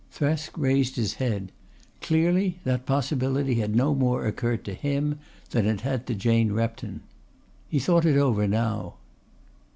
Thresk raised his head. Clearly that possibility had no more occurred to him than it had to Jane Repton. He thought it over now.